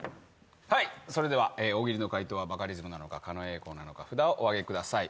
はいそれでは大喜利の回答はバカリズムなのか狩野英孝なのか札をお上げください。